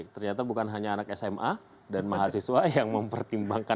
ternyata bukan hanya anak sma dan mahasiswa yang mempertimbangkan